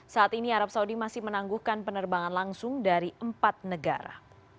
saat ini arab saudi masih menangguhkan penerbangan langsung dari empat negara